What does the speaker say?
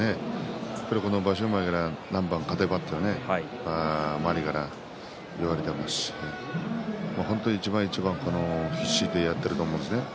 場所前から何番勝てばと言われていましたし本当に一番一番、必死でやっていると思うんですね。